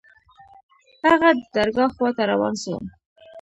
هغه د درګاه خوا ته روان سو.